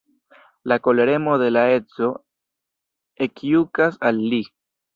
La koleremo de la edzo ekjukas al li.